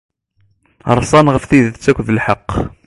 Reṣṣan ɣef tidet akked lḥeqq.